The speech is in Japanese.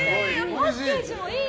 パッケージも可愛い。